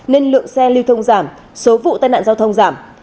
nên lượng xe lưu thông giảm số vụ tai nạn giao thông giảm